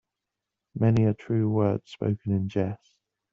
Many a true word spoken in jest.